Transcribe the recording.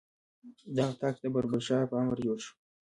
دغه طاق چې د بابر شاه په امر جوړ شو.